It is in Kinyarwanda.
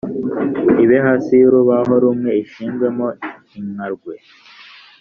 ibe hasi y urubaho rumwe ishingwemo inkarwe